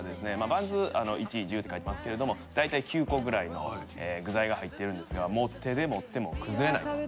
バンズ１１０って書いてますけれども大体９個ぐらいの具材が入っているんですが手で持っても崩れない。